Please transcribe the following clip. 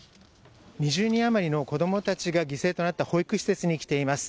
２０人余りの子どもたちが犠牲となった保育施設に来ています。